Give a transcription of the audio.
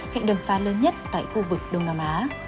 hệ đồng phá lớn nhất tại khu vực đông nam á